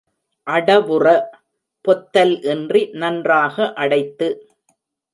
அடைவுற—பொத்தல் இன்றி நன்றாக அடைத்து.